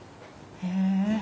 へえ。